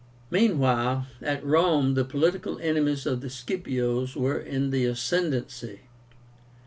Meanwhile, at Rome the political enemies of the Scipios were in the ascendency.